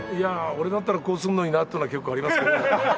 俺だったらこうするのになっていうのは結構ありますけど。